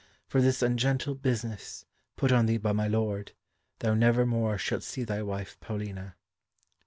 For this ungentle business, put on thee by my lord, thou never more shalt see thy wife Paulina."